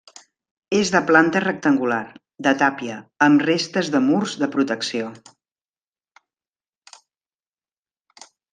És de planta rectangular, de tàpia, amb restes de murs de protecció.